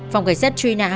phòng cảnh sát truy nã